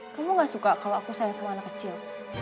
kamu gak suka kalau aku sayang sama anak kecil